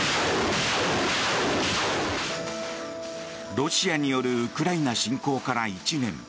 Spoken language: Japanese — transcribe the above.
ロシアによるウクライナ侵攻から１年。